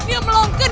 masa obat rangkut ya